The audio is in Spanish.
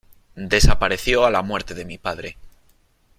desapareció a la muerte de mi padre .